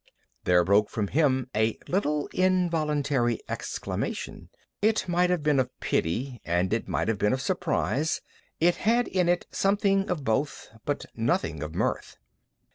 There broke from him a little involuntary exclamation. It might have been of pity, and it might have been of surprise. It had in it something of both, but nothing of mirth.